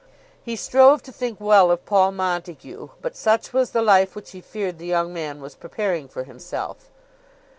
He strove to think well of Paul Montague, but such was the life which he feared the young man was preparing for himself.